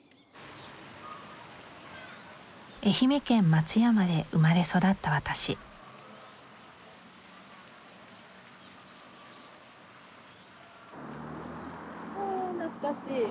愛媛県松山で生まれ育った私うん懐かしい。